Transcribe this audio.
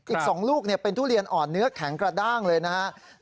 อีก๒ลูกเป็นทุเรียนอ่อนเนื้อแข็งกระด้างเลยนะครับ